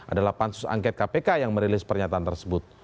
adalah pansus angket kpk yang merilis pernyataan tersebut